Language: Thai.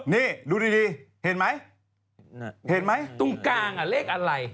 นี่ดูดีเห็นไหมเห็นไหมตรงกลางเลขอะไร